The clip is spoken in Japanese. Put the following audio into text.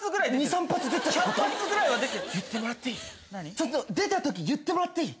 ちょっと出たとき言ってもらっていい？